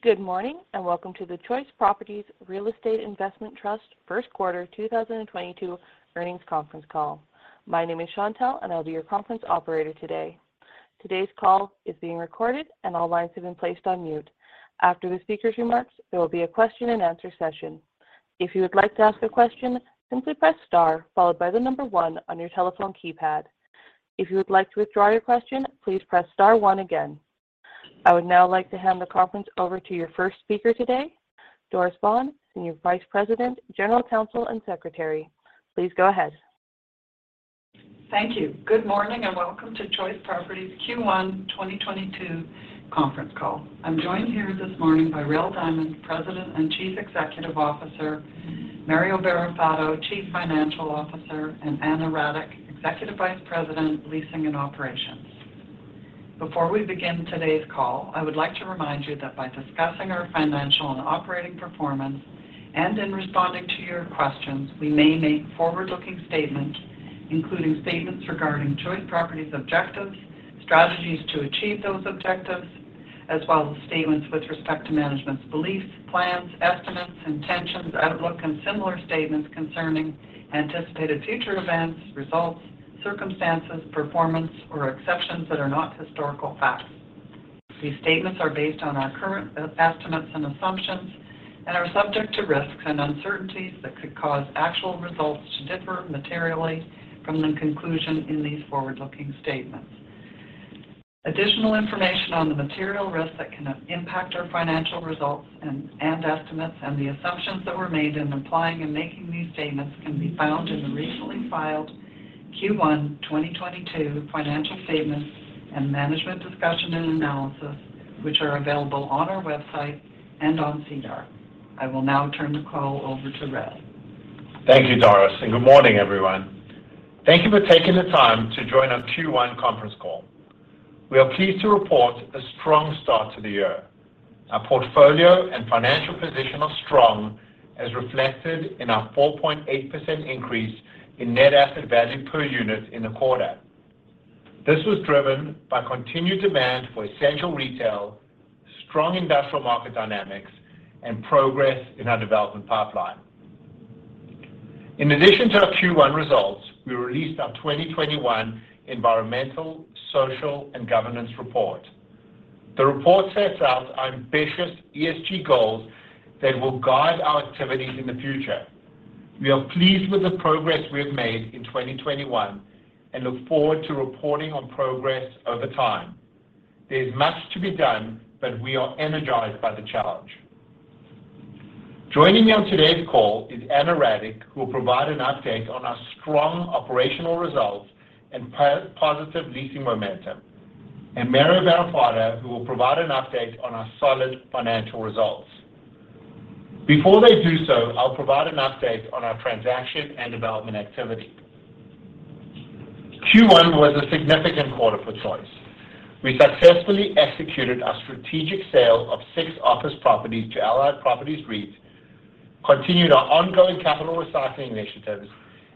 Good morning, and welcome to the Choice Properties Real Estate Investment Trust first quarter 2022 earnings conference call. My name is Chantelle, and I'll be your conference operator today. Today's call is being recorded, and all lines have been placed on mute. After the speaker's remarks, there will be a question-and-answer session. If you would like to ask a question, simply press star followed by the number one on your telephone keypad. If you would like to withdraw your question, please press star one again. I would now like to hand the conference over to your first speaker today, Doris Baughan, Senior Vice President, General Counsel, and Secretary. Please go ahead. Thank you. Good morning, and welcome to Choice Properties Q1 2022 conference call. I'm joined here this morning by Rael Diamond, President and Chief Executive Officer, Mario Barrafato, Chief Financial Officer, and Ana Radic, Executive Vice President, Leasing and Operations. Before we begin today's call, I would like to remind you that by discussing our financial and operating performance and in responding to your questions, we may make forward-looking statements, including statements regarding Choice Properties objectives, strategies to achieve those objectives, as well as statements with respect to management's beliefs, plans, estimates, intentions, outlook, and similar statements concerning anticipated future events, results, circumstances, performance, or expectations that are not historical facts. These statements are based on our current estimates and assumptions and are subject to risks and uncertainties that could cause actual results to differ materially from the conclusions in these forward-looking statements. Additional information on the material risks that can impact our financial results and estimates and the assumptions that were made in applying and making these statements can be found in the recently filed Q1 2022 financial statements and management discussion and analysis, which are available on our website and on SEDAR. I will now turn the call over to Rael. Thank you, Doris, and good morning, everyone. Thank you for taking the time to join our Q1 conference call. We are pleased to report a strong start to the year. Our portfolio and financial position are strong, as reflected in our 4.8% increase in net asset value per unit in the quarter. This was driven by continued demand for essential retail, strong industrial market dynamics, and progress in our development pipeline. In addition to our Q1 results, we released our 2021 environmental, social, and governance report. The report sets out our ambitious ESG goals that will guide our activities in the future. We are pleased with the progress we have made in 2021 and look forward to reporting on progress over time. There's much to be done, but we are energized by the challenge. Joining me on today's call is Ana Radic, who will provide an update on our strong operational results and positive leasing momentum, and Mario Barrafato, who will provide an update on our solid financial results. Before they do so, I'll provide an update on our transaction and development activity. Q1 was a significant quarter for Choice. We successfully executed our strategic sale of six office properties to Allied Properties REIT, continued our ongoing capital recycling initiatives,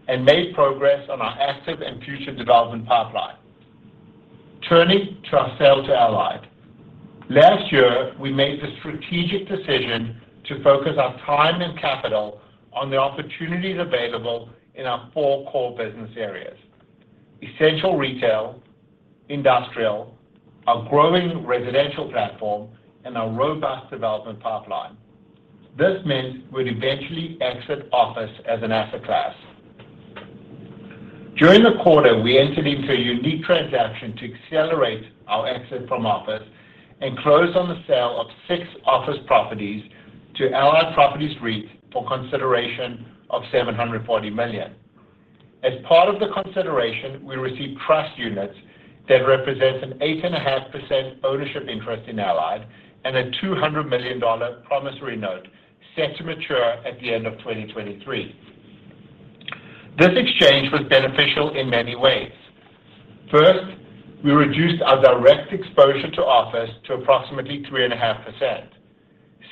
and made progress on our active and future development pipeline. Turning to our sale to Allied. Last year, we made the strategic decision to focus our time and capital on the opportunities available in our four core business areas: essential retail, industrial, our growing residential platform, and our robust development pipeline. This meant we'd eventually exit office as an asset class. During the quarter, we entered into a unique transaction to accelerate our exit from office and closed on the sale of 6 office properties to Allied Properties REIT for consideration of 740 million. As part of the consideration, we received trust units that represent an 8.5% ownership interest in Allied and a 200 million dollar promissory note set to mature at the end of 2023. This exchange was beneficial in many ways. First, we reduced our direct exposure to office to approximately 3.5%.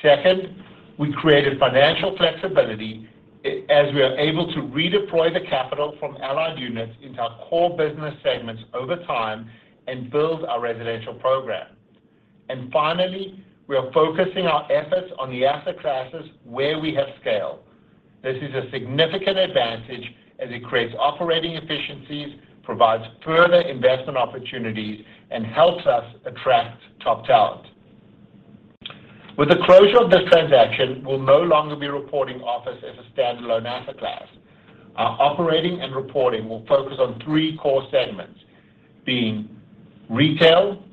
Second, we created financial flexibility as we are able to redeploy the capital from Allied units into our core business segments over time and build our residential program. Finally, we are focusing our efforts on the asset classes where we have scale. This is a significant advantage as it creates operating efficiencies, provides further investment opportunities, and helps us attract top talent. With the closure of this transaction, we'll no longer be reporting office as a standalone asset class. Our operating and reporting will focus on three core segments, being retail,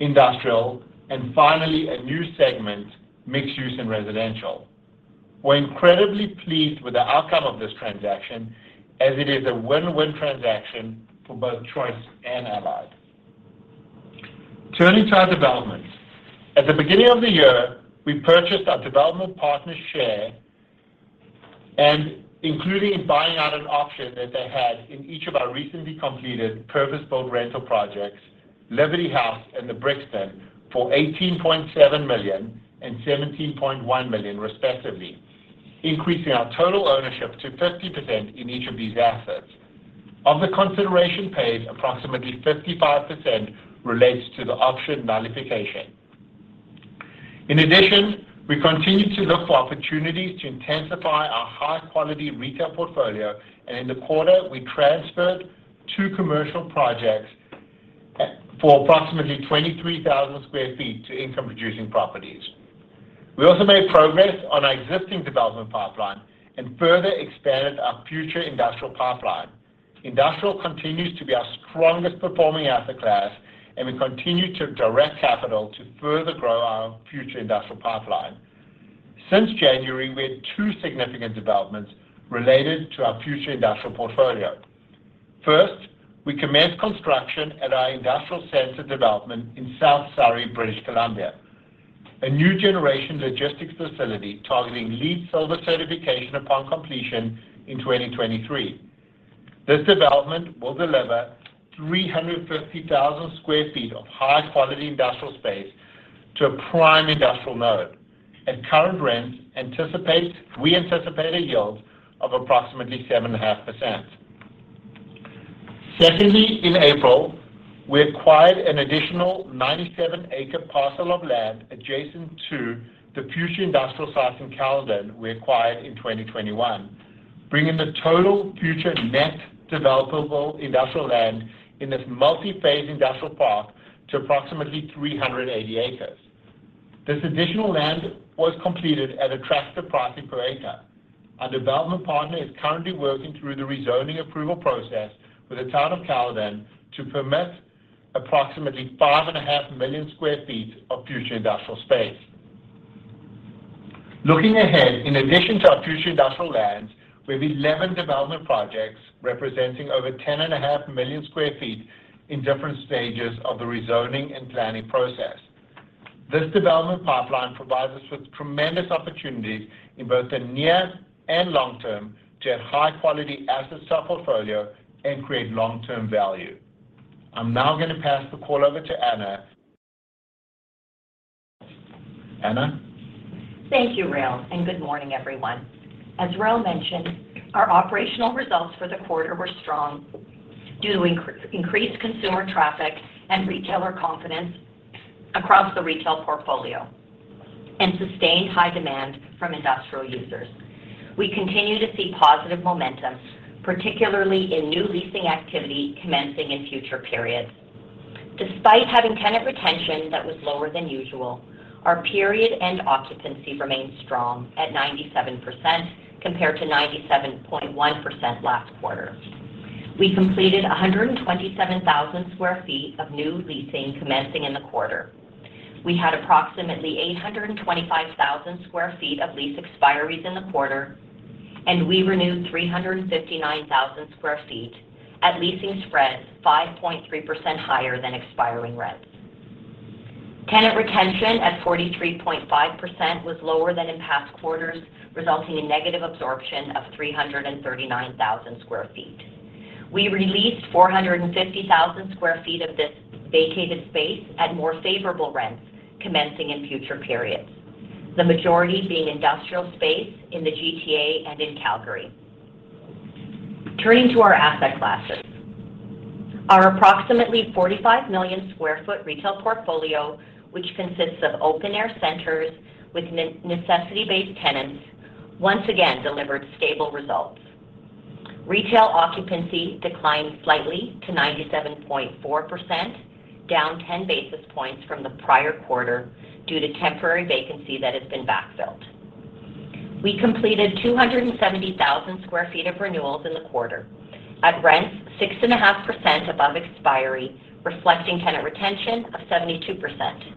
industrial, and finally a new segment, mixed use and residential. We're incredibly pleased with the outcome of this transaction as it is a win-win transaction for both Choice and Allied. Turning to our development. At the beginning of the year, we purchased our development partner's share and including buying out an option that they had in each of our recently completed purpose-built rental projects, Liberty House and The Brixton, for 18.7 million and 17.1 million respectively, increasing our total ownership to 50% in each of these assets. Of the consideration paid, approximately 55% relates to the option nullification. In addition, we continue to look for opportunities to intensify our high-quality retail portfolio, and in the quarter, we transferred two commercial projects for approximately 23,000 sq ft to income-producing properties. We also made progress on our existing development pipeline and further expanded our future industrial pipeline. Industrial continues to be our strongest performing asset class, and we continue to direct capital to further grow our future industrial pipeline. Since January, we had two significant developments related to our future industrial portfolio. First, we commenced construction at our industrial centre development in South Surrey, British Columbia, a new generation logistics facility targeting LEED Silver certification upon completion in 2023. This development will deliver 350,000 sq ft of high-quality industrial space to a prime industrial node. At current rents, we anticipate a yield of approximately 7.5%. Secondly, in April, we acquired an additional 97-acre parcel of land adjacent to the future industrial site in Caledon we acquired in 2021, bringing the total future net developable industrial land in this multi-phase industrial park to approximately 380 acres. This additional land was acquired at attractive pricing per acre. Our development partner is currently working through the rezoning approval process with the town of Caledon to permit approximately 5.5 million sq ft of future industrial space. Looking ahead, in addition to our future industrial lands, we have 11 development projects representing over 10.5 million sq ft in different stages of the rezoning and planning process. This development pipeline provides us with tremendous opportunities in both the near and long term to add high-quality assets to our portfolio and create long-term value. I'm now going to pass the call over to Ana. Ana? Thank you, Rael, and good morning, everyone. As Rael mentioned, our operational results for the quarter were strong due to increased consumer traffic and retailer confidence across the retail portfolio and sustained high demand from industrial users. We continue to see positive momentum, particularly in new leasing activity commencing in future periods. Despite having tenant retention that was lower than usual, our period-end occupancy remained strong at 97% compared to 97.1% last quarter. We completed 127,000 sq ft of new leasing commencing in the quarter. We had approximately 825,000 sq ft of lease expiries in the quarter, and we renewed 359,000 sq ft at leasing spreads 5.3% higher than expiring rents. Tenant retention at 43.5% was lower than in past quarters, resulting in negative absorption of 339,000 sq ft. We re-leased 450,000 sq ft of this vacated space at more favorable rents commencing in future periods, the majority being industrial space in the GTA and in Calgary. Turning to our asset classes. Our approximately 45 million sq ft retail portfolio, which consists of open-air centers with necessity-based tenants, once again delivered stable results. Retail occupancy declined slightly to 97.4%, down 10 basis points from the prior quarter due to temporary vacancy that has been backfilled. We completed 270,000 sq ft of renewals in the quarter at rents 6.5% above expiry, reflecting tenant retention of 72%.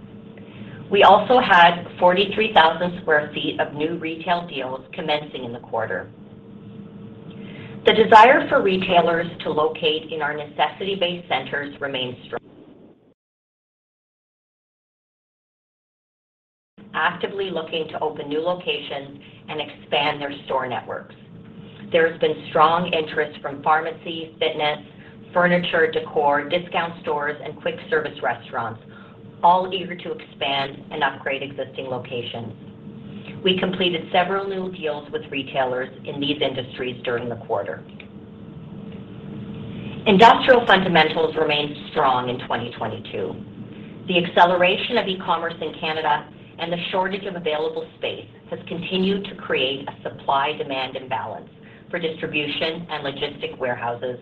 We also had 43,000 sq ft of new retail deals commencing in the quarter. The desire for retailers to locate in our necessity-based centers remains strong, actively looking to open new locations and expand their store networks. There has been strong interest from pharmacies, fitness, furniture, decor, discount stores, and quick-service restaurants, all eager to expand and upgrade existing locations. We completed several new deals with retailers in these industries during the quarter. Industrial fundamentals remained strong in 2022. The acceleration of e-commerce in Canada and the shortage of available space has continued to create a supply-demand imbalance for distribution and logistics warehouses,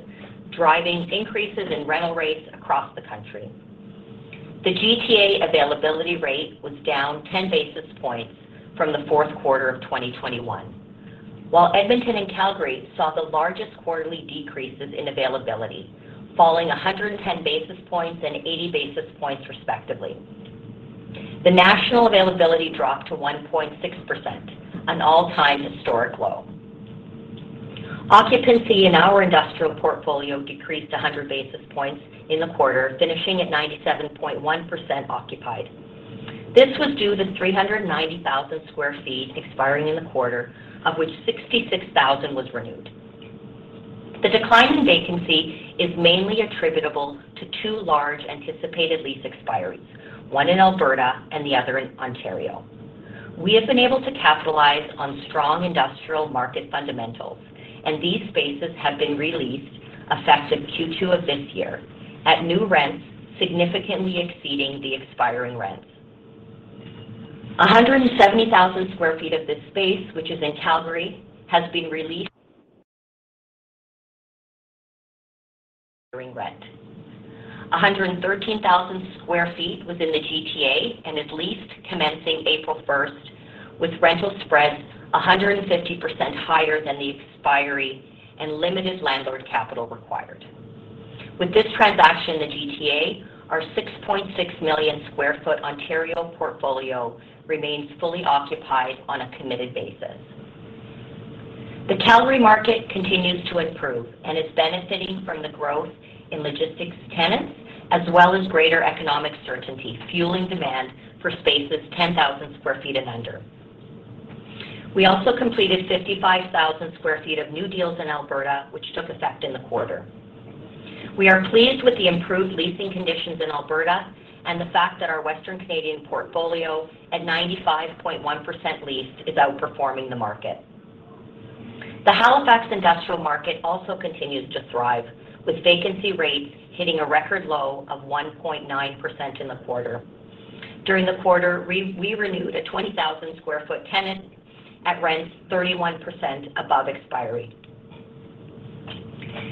driving increases in rental rates across the country. The GTA availability rate was down 10 basis points from the fourth quarter of 2021, while Edmonton and Calgary saw the largest quarterly decreases in availability, falling 110 basis points and 80 basis points, respectively. The national availability dropped to 1.6%, an all-time historic low. Occupancy in our industrial portfolio decreased 100 basis points in the quarter, finishing at 97.1% occupied. This was due to 390,000 sq ft expiring in the quarter, of which 66,000 was renewed. The decline in vacancy is mainly attributable to two large anticipated lease expiries, one in Alberta and the other in Ontario. We have been able to capitalize on strong industrial market fundamentals, and these spaces have been released effective Q2 of this year at new rents significantly exceeding the expiring rents. 170,000 sq ft of this space, which is in Calgary, has been released. Expiring rent. 113,000 sq ft within the GTA and is leased commencing April 1, with rental spreads 150% higher than the expiry and limited landlord capital required. With this transaction in the GTA, our 6.6 million sq ft Ontario portfolio remains fully occupied on a committed basis. The Calgary market continues to improve and is benefiting from the growth in logistics tenants, as well as greater economic certainty, fueling demand for spaces 10,000 sq ft and under. We also completed 55,000 sq ft of new deals in Alberta, which took effect in the quarter. We are pleased with the improved leasing conditions in Alberta and the fact that our Weston Canadian portfolio at 95.1% leased is outperforming the market. The Halifax industrial market also continues to thrive, with vacancy rates hitting a record low of 1.9% in the quarter. During the quarter, we renewed a 20,000 sq ft tenant at rents 31% above expiry.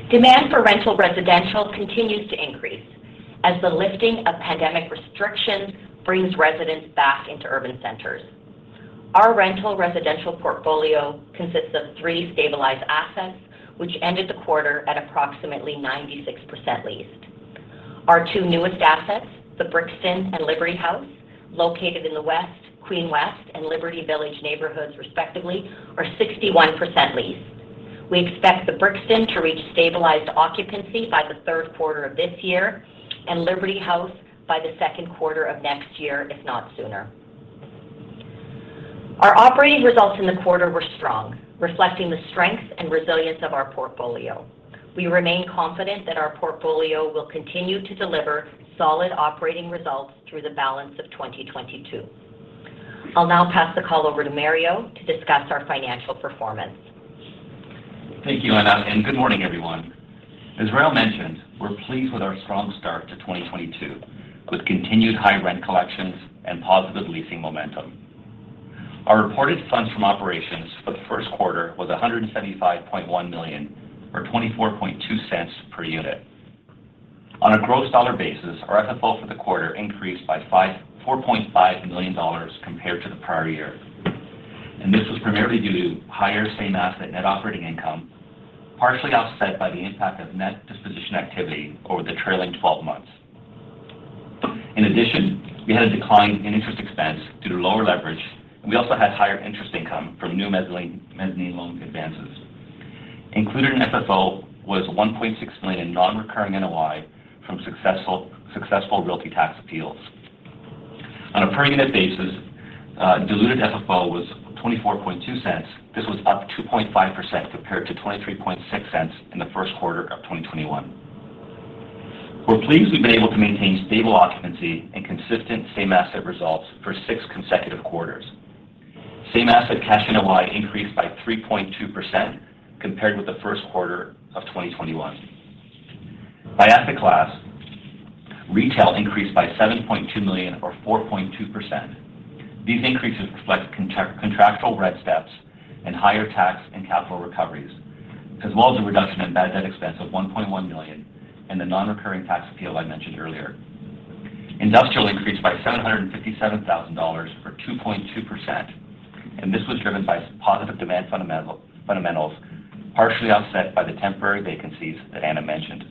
Demand for rental residential continues to increase as the lifting of pandemic restrictions brings residents back into urban centers. Our rental residential portfolio consists of three stabilized assets, which ended the quarter at approximately 96% leased. Our two newest assets, The Brixton and Liberty House, located in the West Queen West and Liberty Village neighborhoods, respectively, are 61% leased. We expect The Brixton to reach stabilized occupancy by the third quarter of this year and Liberty House by the second quarter of next year, if not sooner. Our operating results in the quarter were strong, reflecting the strength and resilience of our portfolio. We remain confident that our portfolio will continue to deliver solid operating results through the balance of 2022. I'll now pass the call over to Mario to discuss our financial performance. Thank you, Ana, and good morning, everyone. As Rael mentioned, we're pleased with our strong start to 2022, with continued high rent collections and positive leasing momentum. Our reported funds from operations for the first quarter was 175.1 million or 0.242 per unit. On a gross dollar basis, our FFO for the quarter increased by 4.5 million dollars compared to the prior year. This was primarily due to higher same asset net operating income, partially offset by the impact of net disposition activity over the trailing twelve months. In addition, we had a decline in interest expense due to lower leverage, and we also had higher interest income from new mezzanine loan advances. Included in FFO was 1.6 million non-recurring NOI from successful realty tax appeals. On a per unit basis, diluted FFO was 0.242. This was up 2.5% compared to 0.236 in the first quarter of 2021. We're pleased we've been able to maintain stable occupancy and consistent same asset results for six consecutive quarters. Same asset cash NOI increased by 3.2% compared with the first quarter of 2021. By asset class, retail increased by 7.2 million or 4.2%. These increases reflect contractual rent steps and higher tax and capital recoveries, as well as a reduction in bad debt expense of 1.1 million and the non-recurring tax appeal I mentioned earlier. Industrial increased by 757,000 dollars or 2.2%, and this was driven by positive demand fundamentals, partially offset by the temporary vacancies that Ana mentioned.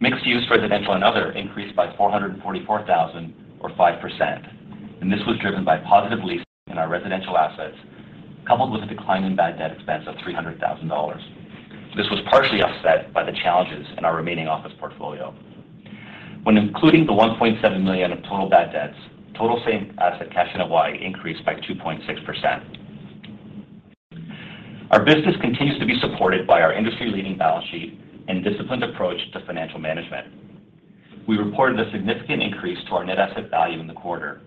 Mixed use, residential, and other increased by 444 thousand or 5%, and this was driven by positive leasing in our residential assets, coupled with a decline in bad debt expense of 300,000 dollars. This was partially offset by the challenges in our remaining office portfolio. When including the 1.7 million of total bad debts, total same asset cash NOI increased by 2.6%. Our business continues to be supported by our industry-leading balance sheet and disciplined approach to financial management. We reported a significant increase to our net asset value in the quarter,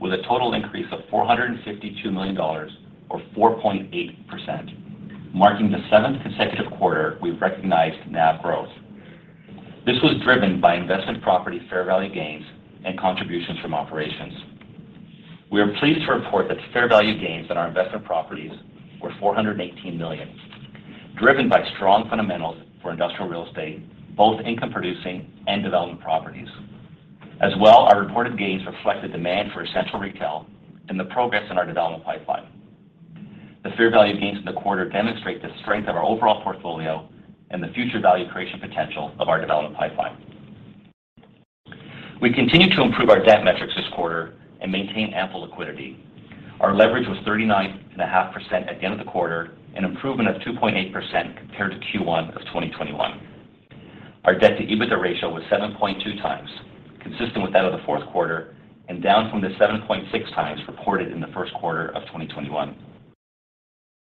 with a total increase of 452 million dollars or 4.8%, marking the seventh consecutive quarter we've recognized NAV growth. This was driven by investment property fair value gains and contributions from operations. We are pleased to report that fair value gains on our investment properties were 418 million, driven by strong fundamentals for industrial real estate, both income-producing and development properties. As well, our reported gains reflect the demand for essential retail and the progress in our development pipeline. The fair value gains in the quarter demonstrate the strength of our overall portfolio and the future value creation potential of our development pipeline. We continued to improve our debt metrics this quarter and maintain ample liquidity. Our leverage was 39.5% at the end of the quarter, an improvement of 2.8% compared to Q1 of 2021. Our debt-to-EBITDA ratio was 7.2x, consistent with that of the fourth quarter and down from the 7.6x reported in the first quarter of 2021.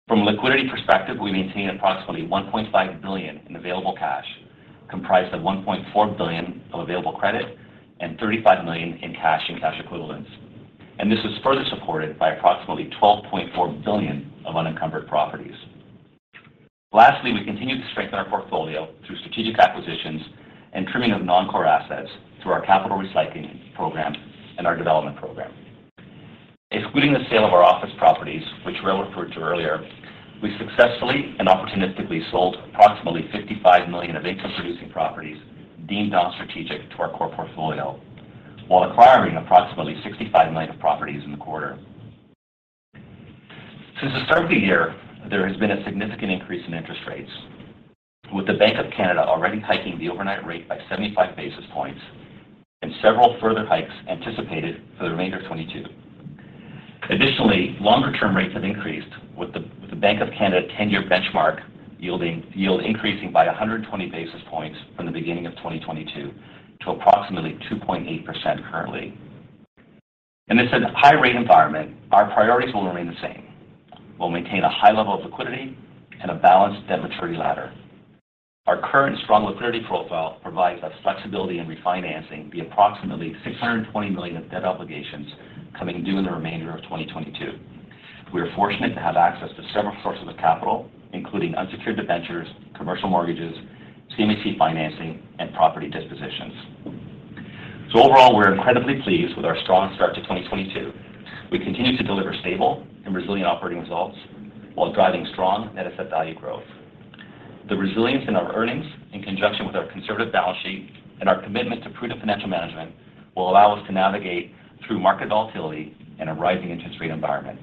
From a liquidity perspective, we maintain approximately 1.5 billion in available cash, comprised of 1.4 billion of available credit and 35 million in cash and cash equivalents. This is further supported by approximately 12.4 billion of unencumbered properties. Lastly, we continue to strengthen our portfolio through strategic acquisitions and trimming of non-core assets through our capital recycling program and our development program. Excluding the sale of our office properties, which were referred to earlier, we successfully and opportunistically sold approximately 55 million of income-producing properties deemed non-strategic to our core portfolio, while acquiring approximately 65 million of properties in the quarter. Since the start of the year, there has been a significant increase in interest rates, with the Bank of Canada already hiking the overnight rate by 75 basis points and several further hikes anticipated for the remainder of 2022. Additionally, longer-term rates have increased, with the Bank of Canada ten-year benchmark yield increasing by 120 basis points from the beginning of 2022 to approximately 2.8% currently. In this high rate environment, our priorities will remain the same. We'll maintain a high level of liquidity and a balanced debt maturity ladder. Our current strong liquidity profile provides us flexibility in refinancing the approximately 620 million of debt obligations coming due in the remainder of 2022. We are fortunate to have access to several sources of capital, including unsecured debentures, commercial mortgages, CMHC financing, and property dispositions. Overall, we're incredibly pleased with our strong start to 2022. We continue to deliver stable and resilient operating results while driving strong net asset value growth. The resilience in our earnings, in conjunction with our conservative balance sheet and our commitment to prudent financial management, will allow us to navigate through market volatility in a rising interest rate environment.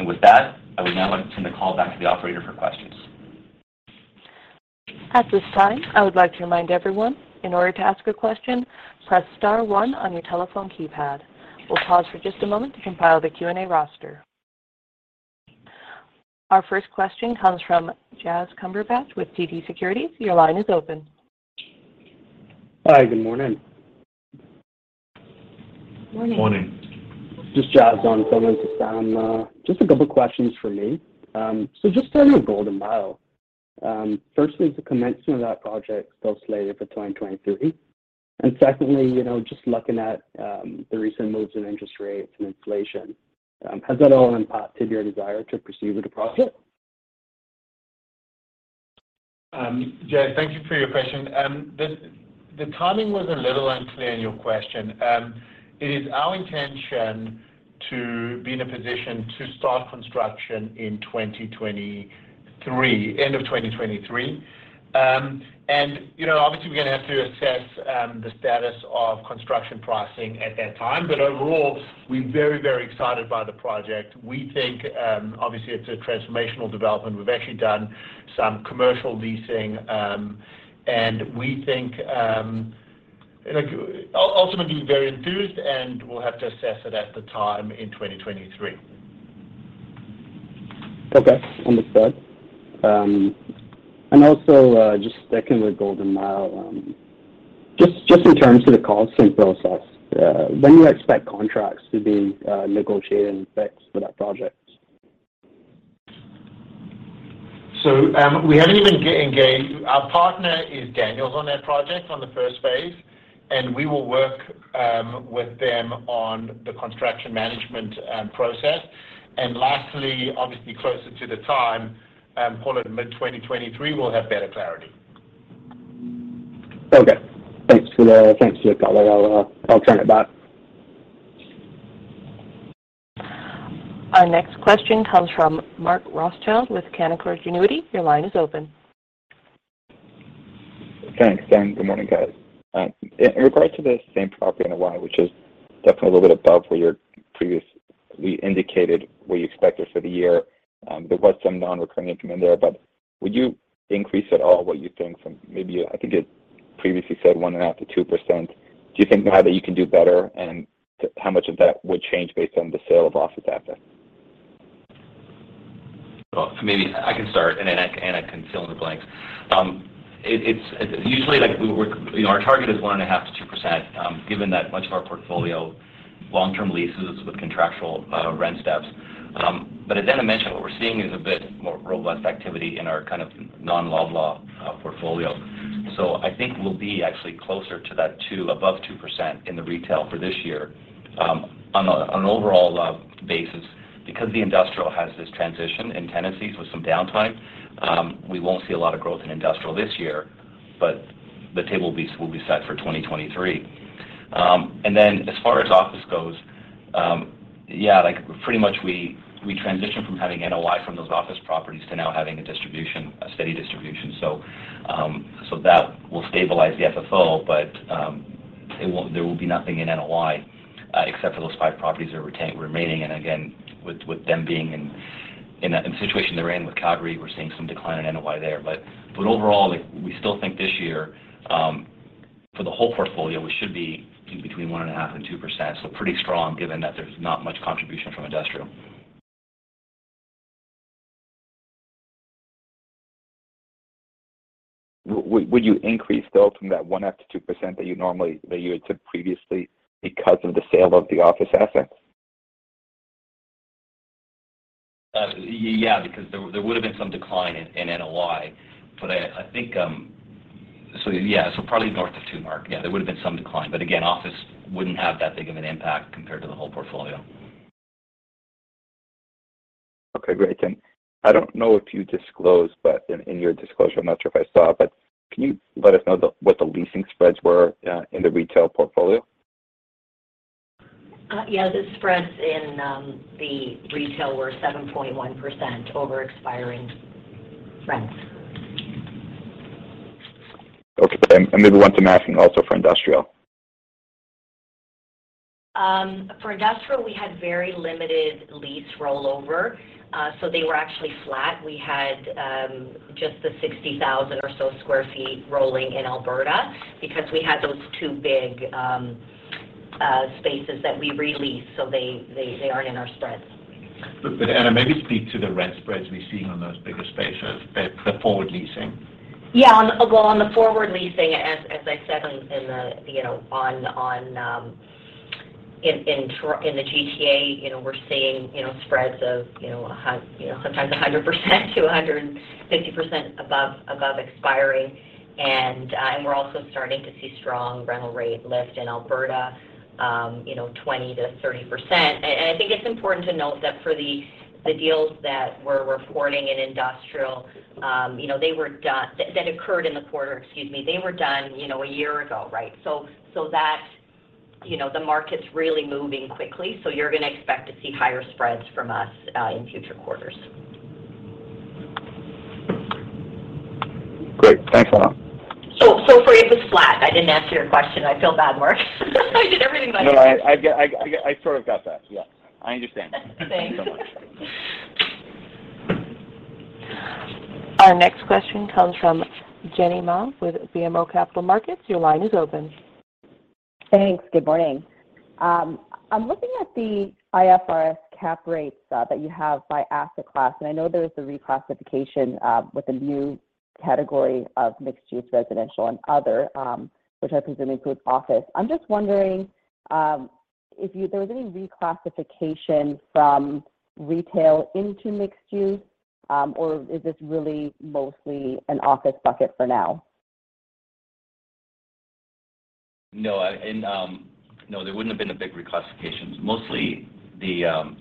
With that, I would now like to turn the call back to the operator for questions. At this time, I would like to remind everyone, in order to ask a question, press star one on your telephone keypad. We'll pause for just a moment to compile the Q&A roster. Our first question comes from Jaz Cumberbatch with TD Securities. Your line is open. Hi. Good morning. Morning. Morning. Just Jaz on the phone with Sam. Just a couple of questions for me. Just starting with Golden Mile. Firstly, is the commencement of that project still slated for 2023? Secondly, you know, just looking at the recent moves in interest rates and inflation, has that all impacted your desire to proceed with the project? Jaz, thank you for your question. The timing was a little unclear in your question. It is our intention to be in a position to start construction in 2023, end of 2023. You know, obviously we're gonna have to assess the status of construction pricing at that time. Overall, we're very excited by the project. We think, obviously it's a transformational development. We've actually done some commercial leasing, and we think, look, ultimately very enthused and we'll have to assess it at the time in 2023. Okay. Understood. Also, just sticking with Golden Mile, just in terms of the costing process, when do you expect contracts to be negotiated in effect for that project? We haven't even gotten engaged. Our partner is Daniels on that project on the first phase, and we will work with them on the construction management process. Lastly, obviously closer to the time, call it mid-2023, we'll have better clarity. Okay. Thanks for your color. I'll turn it back. Our next question comes from Mark Rothschild with Canaccord Genuity. Your line is open. Thanks, and good morning, guys. In regards to the same property in NOI, which is definitely a little bit above where you previously indicated what you expected for the year, there was some non-recurring income in there, but would you increase at all what you think from maybe I think you previously said 1.5%-2%? Do you think now that you can do better, and how much of that would change based on the sale of office assets? Well, maybe I can start and then I can fill in the blanks. It's usually like we—you know, our target is 1.5%-2%, given that much of our portfolio long-term leases with contractual rent steps. But as Ana mentioned, what we're seeing is a bit more robust activity in our kind of non-Loblaw portfolio. I think we'll be actually closer to that 2%, above 2% in the retail for this year. On an overall basis, because the industrial has this transition in tenancies with some downtime, we won't see a lot of growth in industrial this year, but the table will be set for 2023. And then as far as office goes, yeah, like pretty much we transition from having NOI from those office properties to now having a distribution, a steady distribution. That will stabilize the FFO, but it won't, there will be nothing in NOI, except for those five properties that remain. Again, with them being in the situation they're in with Calgary, we're seeing some decline in NOI there. Overall, like we still think this year, for the whole portfolio, we should be between 1.5% and 2%. Pretty strong given that there's not much contribution from industrial. Would you increase though from that 0.5% to 2% that you normally, that you had took previously because of the sale of the office assets? Yeah, because there would've been some decline in NOI. But I think. Yeah, so probably north of two, Mark. Yeah, there would've been some decline. But again, office wouldn't have that big of an impact compared to the whole portfolio. Okay, great. I don't know if you disclosed, but in your disclosure, I'm not sure if I saw it, but can you let us know what the leasing spreads were in the retail portfolio? Yeah, the spreads in the retail were 7.1% over expiring rents. Okay. Maybe one to ask then also for industrial. For industrial, we had very limited lease rollover. They were actually flat. We had just the 60,000 or so sq ft rolling in Alberta because we had those two big spaces that we re-leased, so they aren't in our spreads. Ana, maybe speak to the rent spreads we're seeing on those bigger spaces at the forward leasing. On the forward leasing, as I said in the GTA, you know, we're seeing spreads of, you know, sometimes 100% to 150% above expiring. We're also starting to see strong rental rate lift in Alberta, you know, 20%-30%. I think it's important to note that for the deals that we're reporting in industrial, you know, they were done a year ago, right? You know, the market's really moving quickly, so you're gonna expect to see higher spreads from us in future quarters. Great. Thanks, Ana. For you, it was flat. I didn't answer your question. I feel bad, Mark. I did everything but answer. No, I get. I sort of got that. Yeah. I understand. Thanks. Thank you so much. Our next question comes from Jenny Ma with BMO Capital Markets. Your line is open. Thanks. Good morning. I'm looking at the IFRS cap rates that you have by asset class, and I know there was a reclassification with a new category of mixed use residential and other, which I presume includes office. I'm just wondering if there was any reclassification from retail into mixed use, or is this really mostly an office bucket for now? No, no, there wouldn't have been a big reclassification. Mostly the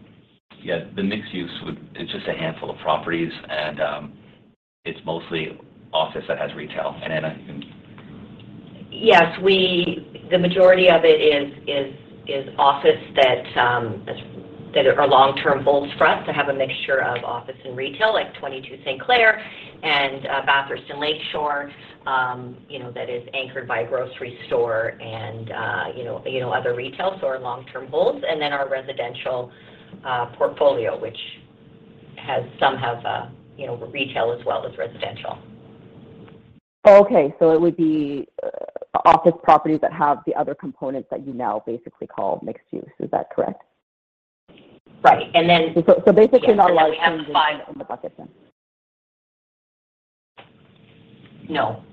mixed-use it's just a handful of properties, and it's mostly office that has retail. Ana, you can Yes. The majority of it is office that are long-term holds for us that have a mixture of office and retail, like 22 St. Clair and Bathurst and Lakeshore, you know, that is anchored by a grocery store and you know other retail. Are long-term holds. Then our residential portfolio, which has some have you know retail as well as residential. Oh, okay. It would be office properties that have the other components that you now basically call mixed use. Is that correct? Right. Basically not allowing changes in the buckets then. No.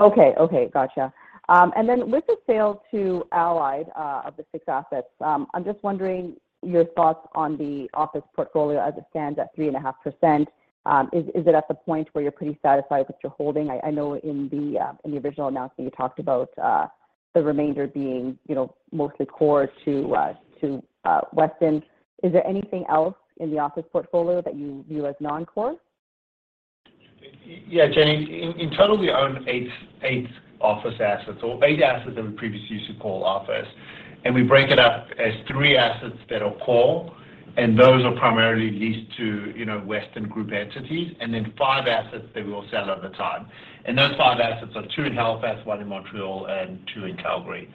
Okay. Gotcha. With the sale to Allied of the 6 assets, I'm just wondering your thoughts on the office portfolio as it stands at 3.5%. Is it at the point where you're pretty satisfied with your holding? I know in the original announcement you talked about the remainder being, you know, mostly core to Weston. Is there anything else in the office portfolio that you view as non-core? Yeah, Jenny. In total we own eight office assets or eight assets that we previously used to call office. We break it up as three assets that are core, and those are primarily leased to, you know, Weston Group entities. Then five assets that we will sell over time. Those five assets are two in Halifax, one in Montreal and two in Calgary.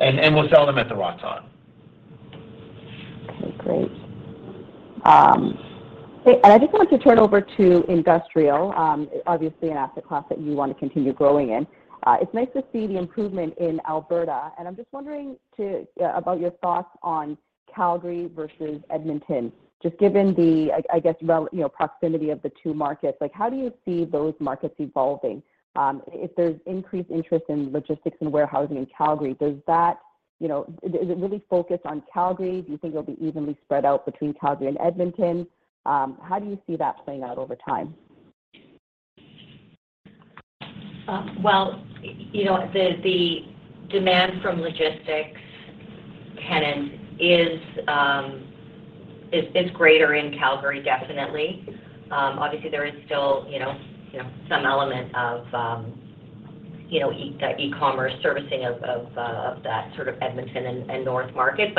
We'll sell them at the right time. Okay, great. Okay, I just wanted to turn over to industrial, obviously an asset class that you wanna continue growing in. It's nice to see the improvement in Alberta, and I'm just wondering, too, about your thoughts on Calgary versus Edmonton, just given the, I guess, you know, proximity of the two markets. Like, how do you see those markets evolving? If there's increased interest in logistics and warehousing in Calgary, does that, you know? Is it really focused on Calgary? Do you think it'll be evenly spread out between Calgary and Edmonton? How do you see that playing out over time? Well, you know, the demand from logistics tenants is greater in Calgary, definitely. Obviously there is still, you know, some element of, you know, e-commerce servicing of that sort of Edmonton and northern market.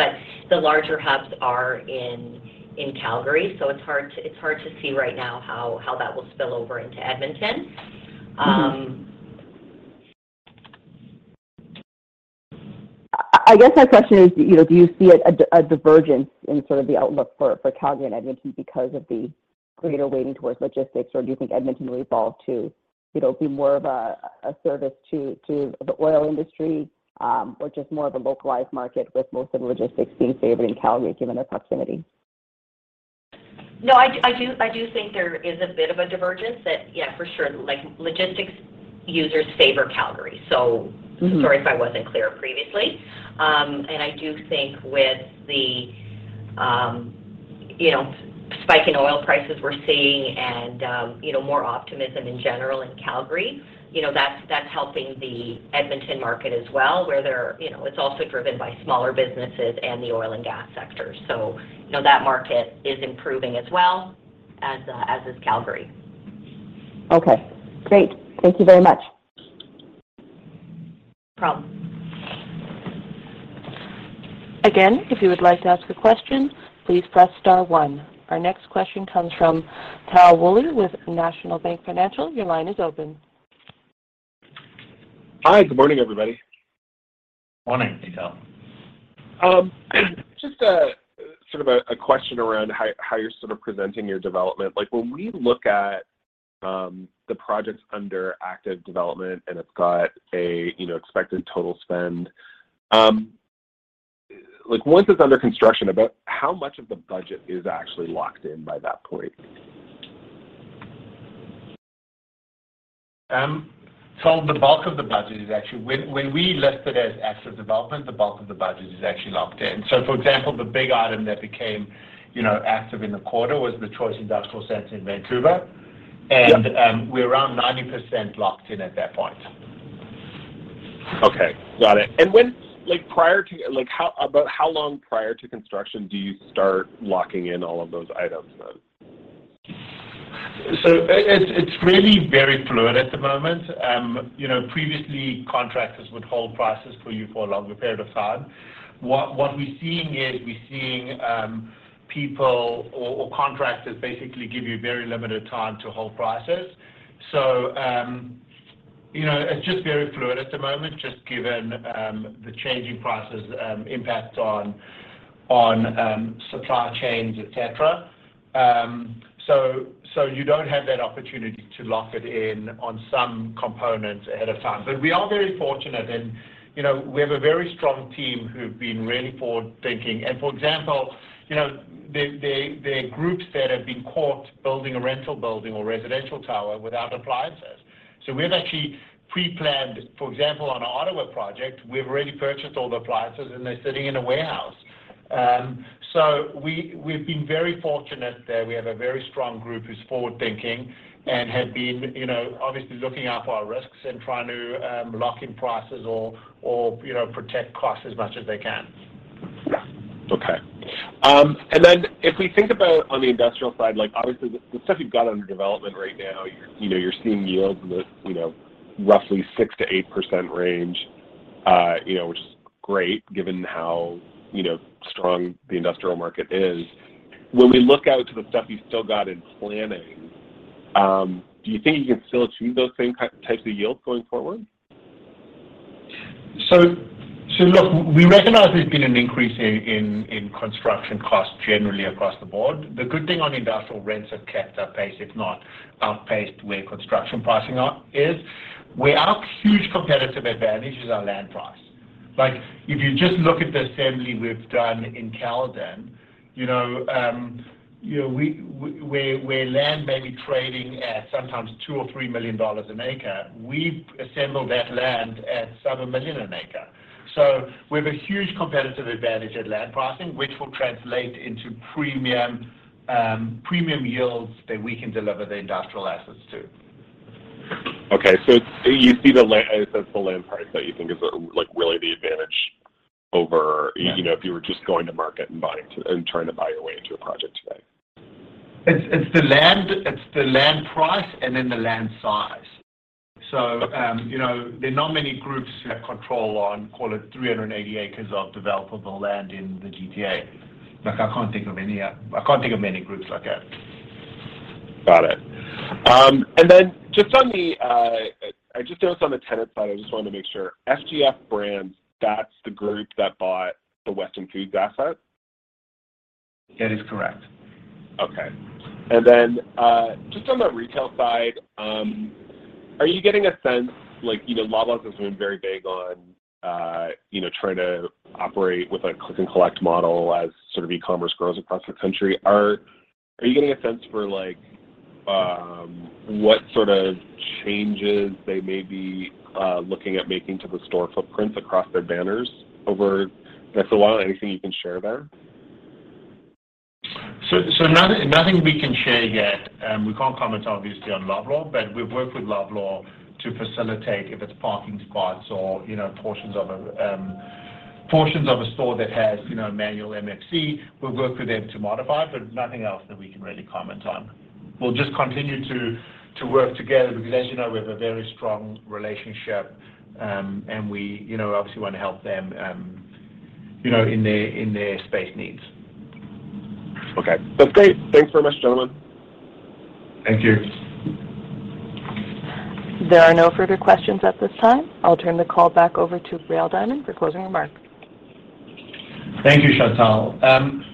The larger hubs are in Calgary, so it's hard to see right now how that will spill over into Edmonton. I guess my question is, you know, do you see a divergence in sort of the outlook for Calgary and Edmonton because of the greater weighting towards logistics, or do you think Edmonton will evolve to, you know, be more of a service to the oil industry, or just more of a localized market with most of the logistics being favored in Calgary given their proximity? No, I do think there is a bit of a divergence that, yeah, for sure, like, logistics users favor Calgary. Mm-hmm Sorry if I wasn't clear previously. I do think with the you know spike in oil prices we're seeing and you know more optimism in general in Calgary you know that's helping the Edmonton market as well. You know it's also driven by smaller businesses and the oil and gas sector. You know that market is improving as well as is Calgary. Okay, great. Thank you very much. No problem. Again, if you would like to ask a question, please press star one. Our next question comes from Tal Woolley with National Bank Financial. Your line is open. Hi. Good morning, everybody. Morning to you, Tal. Just a sort of question around how you're sort of presenting your development. Like, when we look at the projects under active development, and it's got an expected total spend, like, once it's under construction, about how much of the budget is actually locked in by that point? The bulk of the budget is actually when we list it as active development, the bulk of the budget is actually locked in. For example, the big item that became, you know, active in the quarter was the Choice Industrial Centre in Vancouver. Yep. We're around 90% locked in at that point. Okay. Got it. Like, how about how long prior to construction do you start locking in all of those items then? It's really very fluid at the moment. You know, previously contractors would hold prices for you for a longer period of time. What we're seeing is we're seeing people or contractors basically give you very limited time to hold prices. You know, it's just very fluid at the moment just given the changing prices impact on supply chains, et cetera. You don't have that opportunity to lock it in on some components ahead of time. We are very fortunate and, you know, we have a very strong team who've been really forward-thinking. For example, you know, there are groups that have been caught building a rental building or residential tower without appliances. We've actually pre-planned. For example, on an Ottawa project, we've already purchased all the appliances, and they're sitting in a warehouse. We've been very fortunate there. We have a very strong group who's forward-thinking and have been, you know, obviously looking out for our risks and trying to lock in prices or, you know, protect costs as much as they can. Yeah. Okay. If we think about on the industrial side, like, obviously the stuff you've got under development right now, you're, you know, you're seeing yields that, you know, roughly 6%-8% range, which is great given how, you know, strong the industrial market is. When we look out to the stuff you've still got in planning, do you think you can still achieve those same types of yields going forward? Look, we recognize there's been an increase in construction costs generally across the board. The good thing is industrial rents have kept pace, if not outpaced where construction pricing is, our huge competitive advantage is our land price. Like, if you just look at the assembly we've done in Caledon, you know, you know, we where land may be trading at sometimes 2 million or 3 million dollars an acre, we've assembled that land at sub- 1 million an acre. We have a huge competitive advantage at land pricing, which will translate into premium yields that we can deliver the industrial assets to. Okay. You see it's the land price that you think is, like, really the advantage over- Yeah you know, if you were just going to market and trying to buy your way into a project today. It's the land price and then the land size. Okay. You know, there are not many groups who have control on, call it 380 acres of developable land in the GTA. Like, I can't think of any. I can't think of many groups like that. Got it. Just on the tenant side, I just noticed, I just wanted to make sure. FGF Brands, that's the group that bought the Weston Foods asset? That is correct. Okay. Just on the retail side, are you getting a sense? Like, you know, Loblaw's has been very big on, you know, trying to operate with a click and collect model as sort of e-commerce grows across the country. Are you getting a sense for, like, what sort of changes they may be looking at making to the store footprints across their banners over the next little while? Anything you can share there? Nothing we can share yet. We can't comment obviously on Loblaw. We've worked with Loblaw to facilitate if it's parking spots or, you know, portions of a store that has, you know, manual MFC. We've worked with them to modify, but nothing else that we can really comment on. We'll just continue to work together because as you know, we have a very strong relationship. We, you know, obviously want to help them, you know, in their space needs. Okay. That's great. Thanks very much, gentlemen. Thank you. There are no further questions at this time. I'll turn the call back over to Rael Diamond for closing remarks. Thank you, Chantel.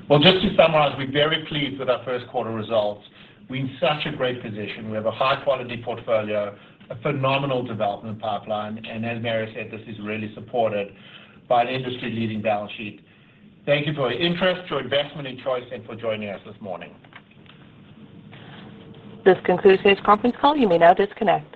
Well, just to summarize, we're very pleased with our first quarter results. We're in such a great position. We have a high quality portfolio, a phenomenal development pipeline, and as Mario said, this is really supported by an industry-leading balance sheet. Thank you for your interest, your investment in Choice, and for joining us this morning. This concludes today's conference call. You may now disconnect.